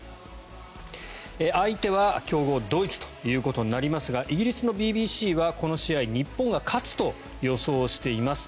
相手は強豪ドイツということになりますがイギリスのＢＢＣはこの試合、日本が勝つと予想をしています。